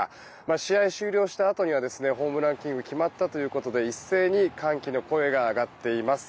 試合終了したあとにはホームランキング決まったということで一斉に歓喜の声が上がっています。